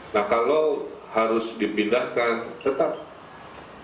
nah kalau harus dipindahkan tetap